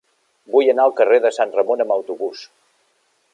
Vull anar al carrer de Sant Ramon amb autobús.